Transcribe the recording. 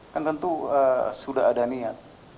kan tentu sudah ada niat